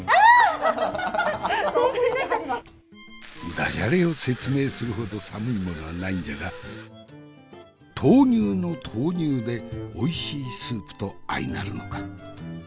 ダジャレを説明するほど寒いものはないんじゃが豆乳の投入でおいしいスープと相なるのか？